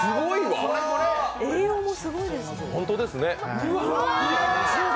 栄養もすごいですね、２０倍。